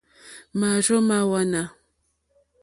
Máàrzó má hwánà.